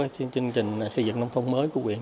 chương trình xây dựng nông thôn mới của huyện